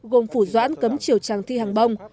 gồm phủ doãn cấm chiều tràng thi hàng bông